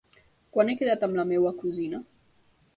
Quan he quedat amb la meva cosina?